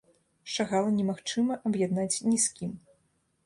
Шагала немагчыма аб'яднаць ні з кім.